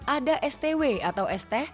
ada stw atau st